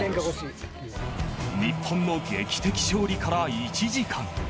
日本の劇的勝利から１時間。